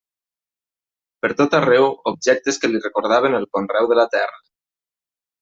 Pertot arreu objectes que li recordaven el conreu de la terra.